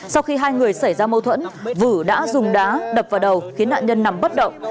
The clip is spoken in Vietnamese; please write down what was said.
sau khi hai người xảy ra mâu thuẫn vự đã dùng đá đập vào đầu khiến nạn nhân nằm bất động